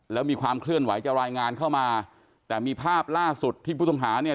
แล้วมีความเคลื่อนไหวจะรายงานเข้ามาแต่มีภาพล่าสุดที่ผู้ต้องหาเนี่ย